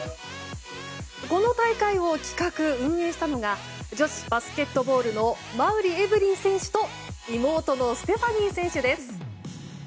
この大会を企画・運営したのが女子バスケットボールの馬瓜エブリン選手と妹のステファニー選手です。